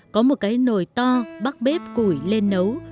có một cái nồi to bóc bếp củi lên nấu